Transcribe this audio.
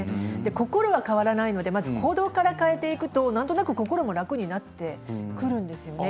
心は変わらないのでまず行動から変えていくと心も楽になってくるんですよね